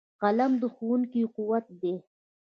قلم د ښوونکو قوت دی